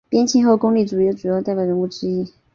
边沁后功利主义的最重要代表人物之一。